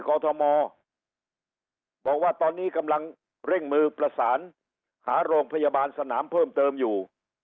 อทมบอกว่าตอนนี้กำลังเร่งมือประสานหาโรงพยาบาลสนามเพิ่มเติมอยู่